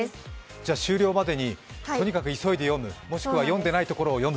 じゃあ、終了までにとにかく急いで読む、もしくは読んでいないところを読む。